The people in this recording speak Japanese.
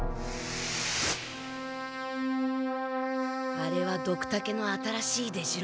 あれはドクタケの新しい出城。